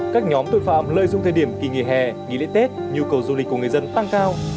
các nhóm tội phạm lợi dụng thời điểm kỳ nghỉ hè nghỉ lễ tết nhu cầu du lịch của người dân tăng cao